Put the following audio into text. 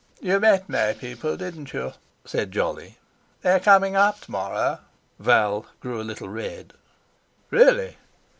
"You met my people, didn't you?" said Jolly. "They're coming up to morrow." Val grew a little red. "Really!